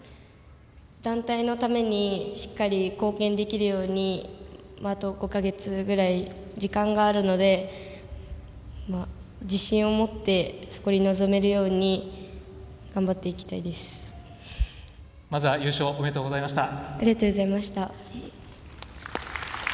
団体のためにしっかり貢献できるようにあと５か月ぐらい時間があるので自信を持ってそこに臨めるようにまずは優勝ありがとうございました。